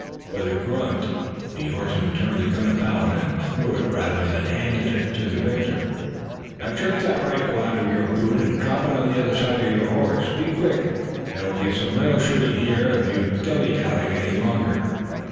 With a grunt the horseman turned the gun about and threw it rather than handed it to the victor. "Now jerk that rifle out of your boot and drop it on the other side of your horse. Be quick. There will be some real shooting here if you dilly dally any longer.